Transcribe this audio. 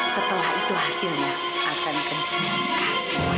setelah itu hasilnya akan ketinggalan semuanya